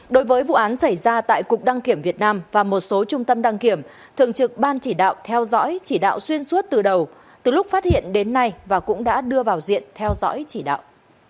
đối với vụ án xảy ra tại cục đăng kiểm việt nam và một số trung tâm đăng kiểm thường trực ban chỉ đạo theo dõi chỉ đạo xuyên suốt từ đầu từ lúc phát hiện đến nay và cũng đã đưa vào diện theo dõi chỉ đạo